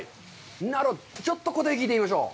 なるほど、ちょっと答えを聞いてみましょう。